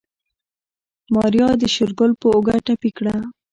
ماريا د شېرګل په اوږه ټپي کړه.